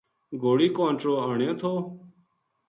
گھوڑی کو انٹڑو آنیو تھو